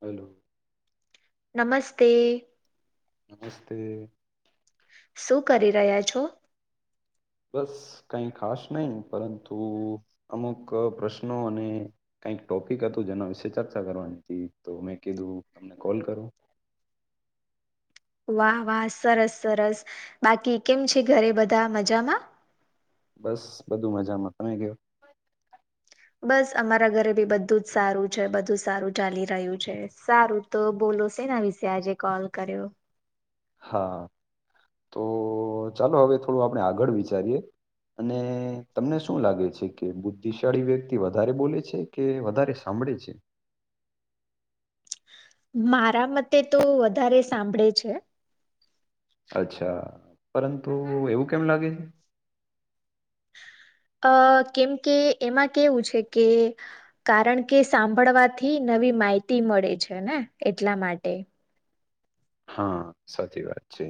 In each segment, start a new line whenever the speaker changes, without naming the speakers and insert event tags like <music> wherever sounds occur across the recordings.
Hello
નમસ્તે
નમસ્તે
શું કરી રહ્યા છો
બસ કઈ ખાસ નહી પરંતુ અમુક પ્રશ્નોને કઈક ટોપિક હતું જેના વિશે ચર્ચા કરવાની હતી તો મેં કીધું તમને કોલ કરુ
વાહ વાહ સરસ સરસ બાકી કેમ છે ઘરે બધા મજામાં
બસ બધું મજામાં તમે કયો
બસ અમારા ઘરે બી બધું જ સારું છે બધું સારું ચાલી રહ્યું છે સારું તો બોલો છેને વિશે આજે કોલ કર્યો
હા તો ચાલો હવે થોડું આપણે આગળ વિચારીએ અને તમને શું લાગે છે કે બુદ્ધિશાળી વ્યક્તિ વધારે બોલે છે કે વધારે સાંભળે છે
મારા મતે તો વધારે સાંભળે છે
અચ્છા પરંતુ એવું કેમ લાગે છે
અ કેમ કે એમાં કેવું છે કે કારણ કે સાંભળવાથી નવી માહિતી મળે છે ને એટલા માટે
હા સાચી વાત છે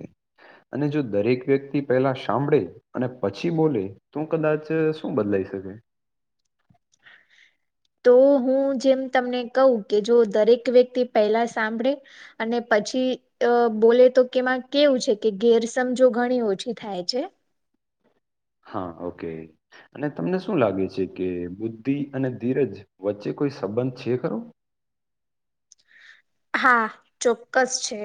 અને જો દરેક વ્યક્તિ પહેલા સાંભળે અને પછી બોલે તો કદાચ શું બદલાઈ શકે
તો હું જેમ તમને કહું કે જો દરેક વ્યક્તિ પહેલા સાંભળે અને પછી અ બોલે તો કેમાં કેવું છે કે ગેરસમજો ઘણી ઓછી થાય છે
હા ઓકે અને તમને શું લાગે છે કે બુદ્ધિ અને ધીરજ વચ્ચે કોઈ સંબંધ છે ખરો
હા ચોક્કસ છે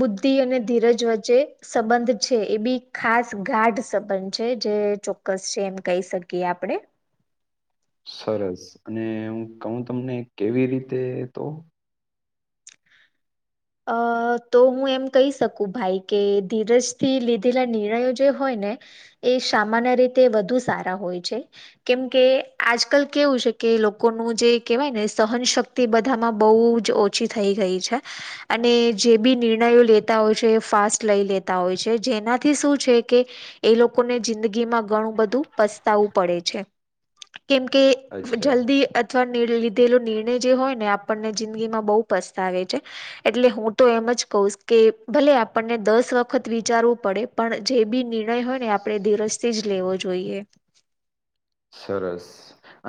બુદ્ધિ અને ધીરજ વચ્ચે સંબંધ છે એ બી ખાસ ગાઢ સંબંધ છે જે ચોક્કસ છે એમ કહી શકીએ આપણે
સરસ અને કહુ તમને કેવી રીતે તો
અ તો હું એમ કહી શકું ભાઈ કે ધીરજથી લીધેલા નિર્ણયો જે હોય ને એ સામાન્ય રીતે વધુ સારા હોય છે કેમ કે આજકાલ કેવું છે કે લોકોનું જે કહેવાય ને સહનશક્તિ તે બધામાં બહુ જ ઓછી થઈ ગઈ છે અને જે બી નિર્ણયો લેતા હોય છે એ ફાસ્ટ લઈ લેતા હોય છે જેનાથી શું છે કે એ લોકોને જિંદગી માં ઘણું બધું પસ્તાવવું પડે છે કેમ કે
અચ્છા
જલ્દી અથવા લીધેલો નિર્ણય જે હોય ને આપણને જિંદગી માં બહુ પસ્તાવે છે. એટલે હું તો એમ જ કહશ કે ભલે આપણને દસ વખત વિચારવું પડે પણ જે બી નિર્ણય હોય ને આપણે ધીરજથી જ લેવો જોઈએ
સરસ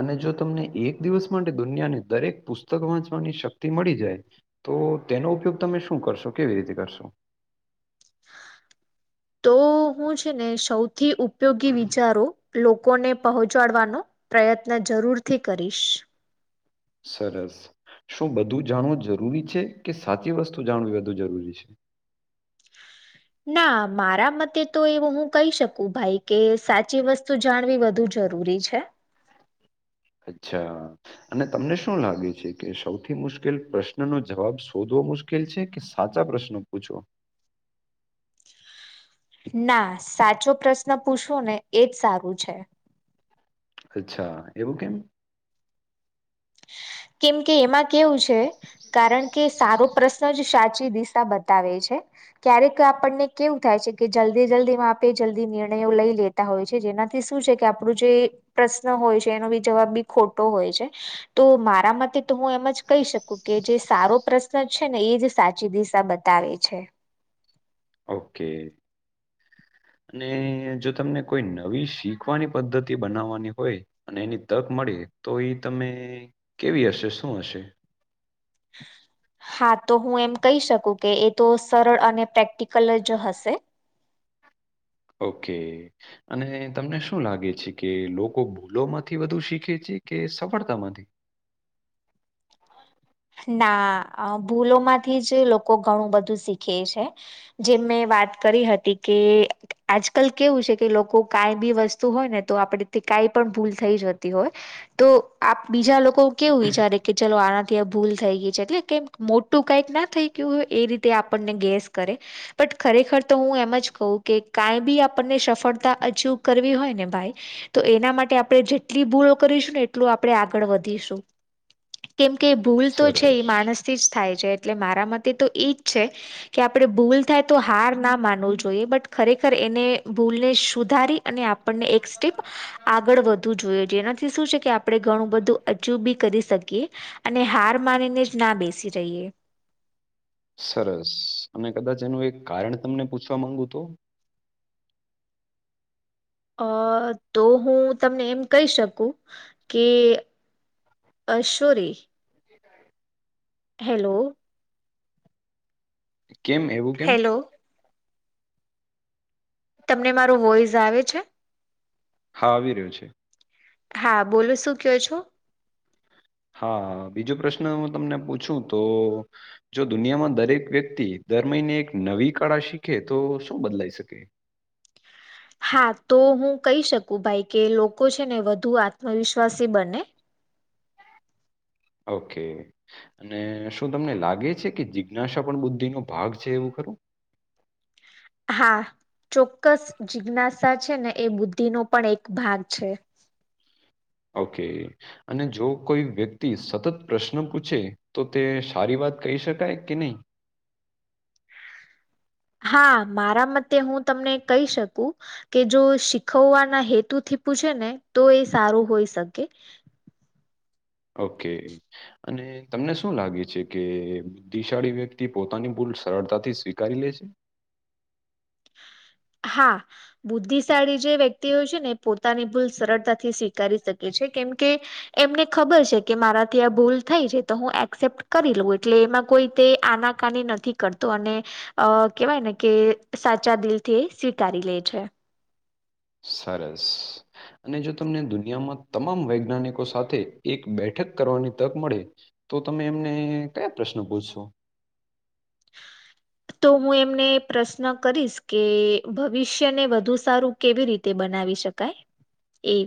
અને જો તમને એક દિવસ માટે દુનિયાને દરેક પુસ્તક વાંચવાની શક્તિ મળી જાય તો તેનો ઉપયોગ તમે શું કરશો કેવી રીતે કરશો
તો હું છે ને સૌથી ઉપયોગી વિચારો લોકોને પહોંચાડવાનો પ્રયત્ન જરૂરથી કરીશ
સરસ શું બધું જાણવું જરૂરી છે કે સાચી વસ્તુ જાણવી વધુ જરૂરી છે?
ના મારા મતે તો એવ હું કહી શકું ભાઈ કે સાચી વસ્તુ જાણવી વધુ જરૂરી છે.
અચ્છા અને તમને શું લાગે છે કે સૌથી મુશ્કેલ પ્રશ્ન નો જવાબ શોધવો મુશ્કેલ છે કે સાચા પ્રશ્નો પૂછો
ના સાચો પ્રશ્ન પૂછો ને એજ સારું છે.
અચ્છા એવું કેમ?
કેમ કે એમાં કેવું છે કારણ કે સારો પ્રશ્ન જ સાચી દિશા બતાવે છે. ક્યારેક આપણને કેવું થાય છે કે જલ્દી જલ્દી માં આપે જલ્દી નિર્ણયો લઈ લે તા હોય છે જેનાથી શું છે કે આપણું જે પ્રશ્ન હોય છે એનો બી જવાબ બી ખોટો હોય છે. તો માર મતે તો હું એમ જ કહી શકું કે જે સારો પ્રશ્ન છે ને એ જ સાચી દિશા બતાવે છે.
ઓકે અને જો તમને કોઈ નવી શીખવાની પદ્ધતિ બનાવવાની હોય અને એની તક મળે તો એ તમે કેવી હશે શું હશે?
હા તો હું એમ કહી શકું કે એ તો સરળ અને પ્રેક્ટિકલ જ હશે.
ઓકે અને તમને શું લાગે છે કે લોકો ભૂલો માંથી વધુ શીખે છે કે સફળતા માંથી?
ના ભૂલોમાંથી જ લોકો ઘણું બધું શીખે છે. જે મેં વાત કરી હતી કે આજકાલ કેવું છે કે લોકો કઈ બી વસ્તુ હોય ને તો આપણે કઈ પણ ભૂલ થઈ જતી હોય તો આપ બીજા લોકો કેવું વિચારે કે ચલો આનાથી ભૂલ થઈ ગઈ છે એટલે કેમ મોટું કાંઈક ના થઈ ગયું હોય એ રીતે આપણને ગેસ કરે ખરેખર તો હું એમ જ કહ કે કાઈ બી આપણને સફળતા અચીવ કરવી હોય ને ભાઈ તો એના માટે આપણે જેટલી ભૂલો કરીશું ને એટલું આપણેે આગળ વધીશું. કેમકે ભૂલ તો છે એ
સરસ
માણસથી જ થાય છે એટલે મારા મતે તો એજ છે. કે આપણે ભૂલ થાય તો હાર ના માનવું જોઈએ બટ ખરેખર એને ભૂલને સુધારી અને આપણને એક સ્ટેપ આગળ વધવુ જોઈએ છે એનાથી શું છે કે આપણે ઘણું બધું અચીવ બી કરી શકીએ. અને હાર માનીને જ ના બેસી રહીએ
સરસ અને કદાચ એનું એક કારણ તમને પૂછવા માંગુ તો?
તો હું તમને એમ કહી શકું કે અ સોરી
<unintelligible>
હેલો
કેમ એવું? કેમ
હેલો તમને મારું વોઇસ આવે છે?
હા આવી રહ્યો છે.
હા બોલો શું કયો છો?
હા, બીજો પ્રશ્ન હું તમને પૂછું તો જો દુનિયામાં દરેક વ્યક્તિ, દર મહિને એક નવી કળા શીખે, તો શું બદલાઈ શકે?
હા તો હું કહી શકું ભાઈ, કે લોકો છે ને વધુ આત્મવિશ્વાસી બને.
ઓકે. અને શું તમને લાગે છે કે જિજ્ઞાસા પણ બુદ્ધિ નો ભાગ છે, એવું ખરું?
હા ચોક્કસ, જિજ્ઞાસા છે ને એ બુદ્ધિનો પણ એક ભાગ છે.
ઓકે. અને જો કોઈ વ્યક્તિ સતત પ્રશ્ન પૂછે, તો તે સારી વાત કહી શકાય કે નહીં?
હા મારા મતે હું તમને કહી શકું કે જો શીખવવાના હેતુ થી પૂછે ને તો એ સારું હોઈ શકે.
ઓકે. અને તમને શું લાગે છે, કે બુદ્ધિશાળી વ્યક્તિ પોતાની ભૂલ સરળતાથી સ્વીકારી લે છે?
હા. બુદ્ધિશાળી જે વ્યક્તિ હોય છે ને, એ પોતાની ભૂલ સરળતાથી સ્વીકારી શકે છે, કેમ કે એમને ખબર છે, કે મારાથી આ ભૂલ થઈ છે, તો હું એક્સેપ્ટ કરી લઉં, એટલે એમાં કોઈ તે આના કાની નથી કરતો, અને અ કેવાય ને કે સાચા દિલથી સ્વીકાર લે છે.
સરસ અને જો તમને દુનિયામાં તમામ વૈજ્ઞાનિકો સાથે એક બેઠક કરવાની તક મળે. તો તમે એમને કયા પ્રશ્ન પૂછશો?
તો હું એમને પ્રશ્ન કરીશ, કે ભવિષ્યને વધુ સારું કેવી રીતે બનાવી શકાય? એ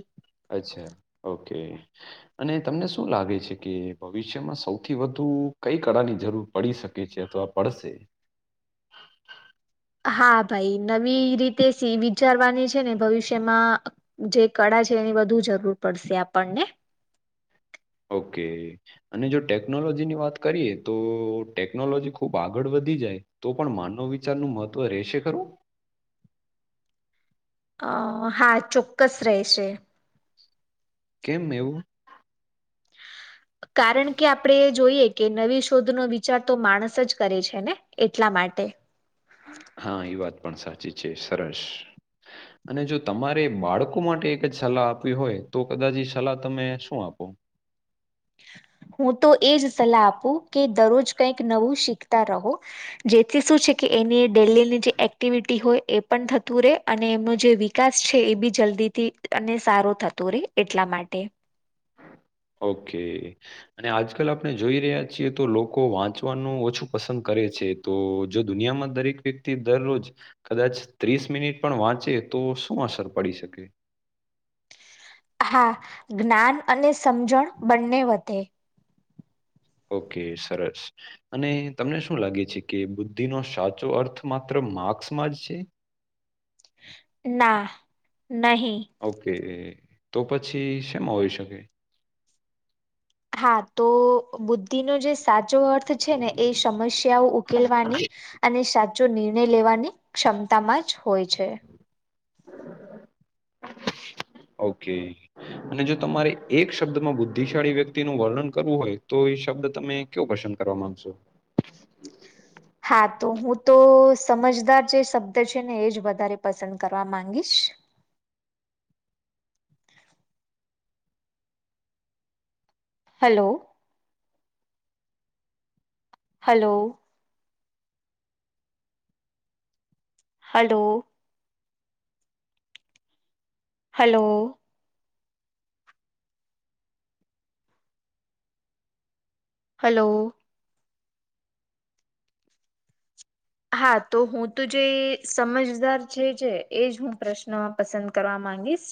અચ્છા, ઓકે. અને તમને શું લાગે છે, કે ભવિષ્યમાં સૌથી વધુ કઈ કળાની જરૂર પડી શકે છે, અથવા પડશે.
હા ભાઈ, નવી રીતે સી વિચારવાની છે ને ભવિષ્યમાં જે કળા છે, એની વધુ જરૂર પડશે આપણને.
ઓકે અને જો ટેકનોલોજીની વાત કરીએ, તો ટેકનોલોજી ખૂબ આગળ વધી જાય. તો પણ માનવ વિચારનું મહત્વ રહેશે ખરું?
અ હા ચોક્કસ રહેશે.
કેમ એવું?
કારણ કે, આપડે જોઈએ કે નવી શોધનો વિચાર તો માણસ જ કરે છે ને, એટલા માટે.
હા, એ વાત પણ સાચી છે, સરસ. અનેજો તમારે બાળકો માટે એકજ સલાહ આપવી હોય, તો કદાચ સલાહ તમે શું આપો?
હું તો એજ સલાહ આપું, કે દરરોજ કઈક નવું શીખતા રહો. જેથી શું છે કે, એની ડેલીની જે એક્ટિવિટી હોય, એ પણ થતું રહેે, અને એમનો જે વિકાસ છે એ બી જલ્દીથી અને સારો થતું રહે, એટલા માટે.
ઓકે. અને આજકાલ આપણે જોઈ રહ્યા છીએ, તો લોકો વાંચવાનું ઓછું પસંદ કરે છે. તો જો દુનિયામાં દરેક વ્યક્તિ દરરોજ કદાચ ત્રીસ મિનિટ પણ વાંચે, તો શું અસર પડી શકે.
હા, જ્ઞાન અને સમજણ બંને વધે.
ઓકે, સરસ. અને તમને શું લાગે છે કે, બુદ્ધિનો સાચો અર્થ માત્ર માર્ક્સમાં જ છે?
ના, નહી.
ઓકે, તો પછી શેમા હોઈ શકે?
હા તો બુદ્ધિનો જે સાચો અર્થ છે ને, એ સમસ્યાઓ ઉકેલવાની અને સાચો નિર્ણય લેવાની ક્ષમતામાંજ હોય છે.
ઓકે. અને જો તમારે એક શબ્દમાં બુદ્ધિશાળી વ્યક્તિનું વર્ણન કરવું હોય તો એ શબ્દ તમે કયો પસંદ કરવા માંગશો હમ.
હા તો હું તો સમજદાર જે શબ્દ છે ને એ જ વધારે પસંદ કરવા માંગીશ. Hello. Hello. Hello. Hello. Hello. હા તો હું તો જે સમજદાર છે એજ હું પ્રશ્નમાં પસંદ કરવા માંગીશ